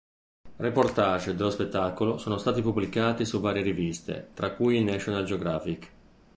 Reportage dello spettacolo sono stati pubblicati su varie riviste tra cui il National Geographic.